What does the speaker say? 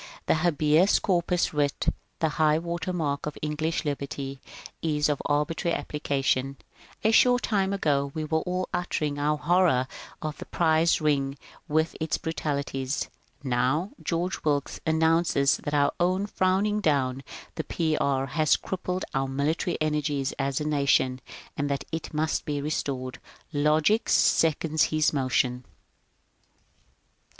The habeas corpus writ —" the high water mark of Eng lish liberty "— is of arbitrary application. A short time ago we were all uttering our horror of the FIRST MOVE TOWARDS ABOLITION 353 prize riDg, with its brutalities. Now George Wilkes annoances that our frowning down the P. B. has crippled our military energies as a nation, and that it must be restored. Logic seconds his motion.